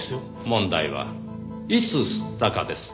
問題はいつ吸ったかです。